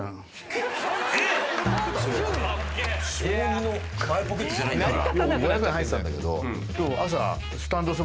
小２の前ポケットじゃないんだから。